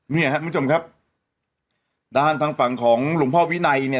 เนี่ยครับคุณผู้ชมครับด้านทางฝั่งของหลวงพ่อวินัยเนี่ย